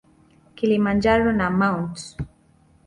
Kilimanjaro na Mt.